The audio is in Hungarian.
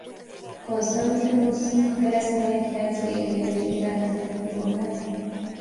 Constantinus a keresztény egyház védőjeként jelentette ki magát.